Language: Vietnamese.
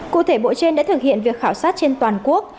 cụ thể bộ trên đã thực hiện việc khảo sát trên toàn quốc